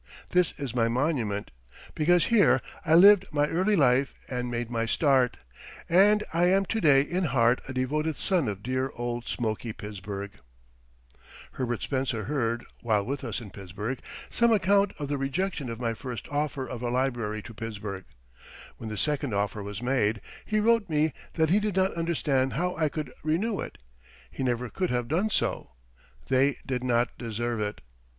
This is my monument, because here I lived my early life and made my start, and I am to day in heart a devoted son of dear old smoky Pittsburgh. Herbert Spencer heard, while with us in Pittsburgh, some account of the rejection of my first offer of a library to Pittsburgh. When the second offer was made, he wrote me that he did not understand how I could renew it; he never could have done so; they did not deserve it.